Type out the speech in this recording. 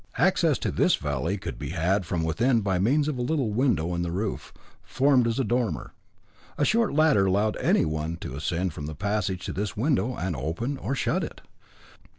Access to this valley could be had from within by means of a little window in the roof, formed as a dormer. A short ladder allowed anyone to ascend from the passage to this window and open or shut it.